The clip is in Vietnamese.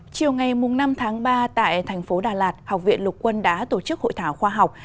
chiều ngày năm tháng ba tại thành phố đà lạt học viện lục quân đã tổ chức hội thảo khoa học